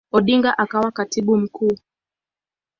Odinga akawa Katibu Mkuu.